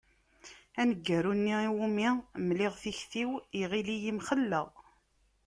Aneggaru-nni iwumi mliɣ tikti-iw, iɣill-iyi mxelleɣ.